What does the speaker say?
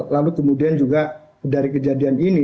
lalu kemudian juga dari kejadian ini